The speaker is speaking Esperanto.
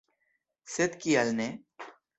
Sed kial ne?